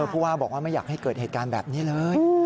ผู้ว่าบอกว่าไม่อยากให้เกิดเหตุการณ์แบบนี้เลย